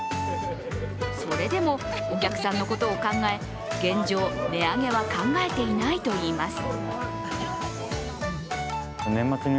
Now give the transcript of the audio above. それでもお客さんのことを考え現状、値上げは考えていないといいます。